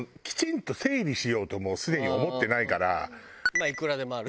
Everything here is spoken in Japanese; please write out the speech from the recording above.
まあいくらでもある？